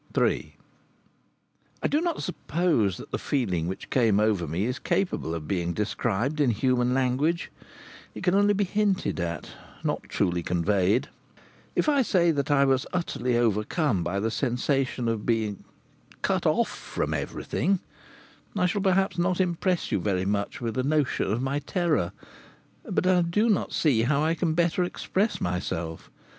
III I do not suppose that the feeling which came over me is capable of being described in human language. It can only be hinted at, not truly conveyed. If I say that I was utterly overcome by the sensation of being cut off from everything, I shall perhaps not impress you very much with a notion of my terror. But I do not see how I can better express myself.